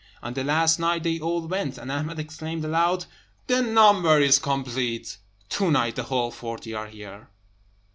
On the last night they all went, and Ahmed exclaimed aloud, "The number is complete! To night the whole forty are here!"